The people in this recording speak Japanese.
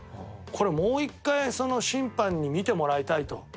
これ、もう１回審判に見てもらいたいと。